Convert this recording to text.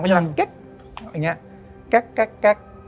มันกำลังแก๊กแก๊กแก๊กแก๊ก